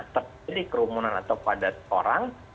terjadi kerumunan atau padat orang